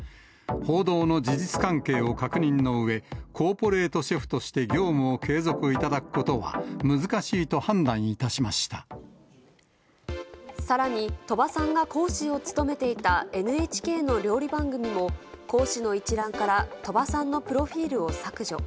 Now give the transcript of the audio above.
報道の事実関係を確認のうえ、コーポレートシェフとして業務を継続いただくことは難しいと判断さらに、鳥羽さんが講師を務めていたＮＨＫの料理番組も、講師の一覧から、鳥羽さんのプロフィールを削除。